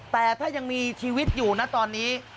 แต่ถ้ายังมีชีวิตอยู่นะตอนนี้